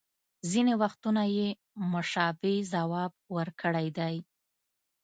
ځینې وختونه یې مشابه ځواب ورکړی دی